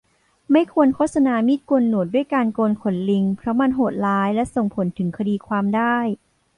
ไม่ควรโฆษณามีดโกนหนวดด้วยการโกนขนลิงเพราะมันโหดร้ายและส่งผลถึงคดีความได้